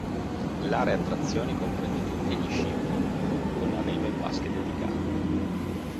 L'area attrazioni comprende tutti gli scivoli, con arrivo in vasche dedicate.